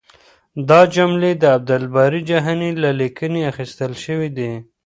دا جملې د عبدالباري جهاني له لیکنې اخیستل شوې دي.